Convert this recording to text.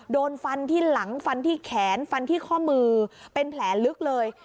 โดนฟันที่หลังฟันที่แขนฟันที่ข้อมือเป็นแผลลึกเลย